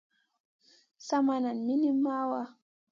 Sa maʼa nan minim mawaa.